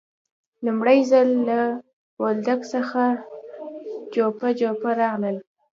لومړی ځل له بولدک څخه جوپه جوپه راغلل.